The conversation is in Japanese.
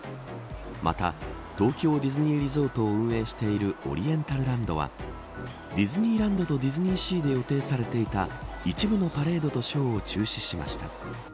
また、東京ディズニーリゾートを運営しているオリエンタルランドはディズニーランドとディズニーシーで予定されていた一部のパレードとショーを中止しました。